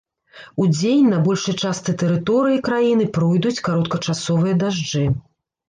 Удзень на большай частцы тэрыторыі краіны пройдуць кароткачасовыя дажджы.